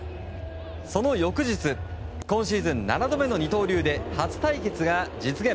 その翌日、今シーズン７度目の二刀流で初対決が実現。